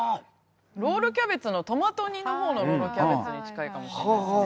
ロールキャベツのトマト煮の方のロールキャベツに近いかもしれないですね。